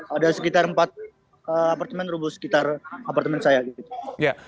ada sekitar empat apartemen rubuh sekitar apartemen saya gitu